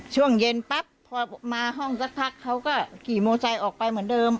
ช่วงเย็นปั๊บพอมาห้องสักพักเขาก็ขี่มอไซค์ออกไปเหมือนเดิม